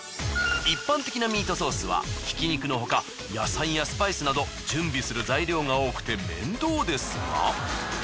一般的なミートソースはひき肉のほか野菜やスパイスなど準備する材料が多くて面倒ですが。